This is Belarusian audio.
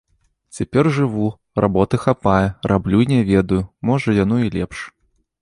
Цяпер жыву, работы хапае, раблю і не ведаю, можа, яно і лепш.